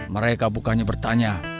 mereka bukannya bertanya